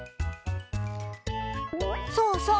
そうそう。